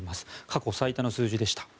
過去最多の数字でした。